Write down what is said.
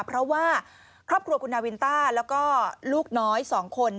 เพราะว่าครอบครัวคุณนาวินต้าแล้วก็ลูกน้อย๒คน